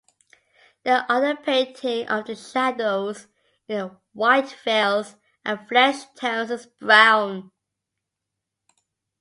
The underpainting of the shadows in the white veils and flesh tones is brown.